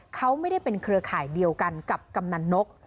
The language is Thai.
เขาไม่ได้เป็นเครือข่ายเดียวกันกับกำนันนก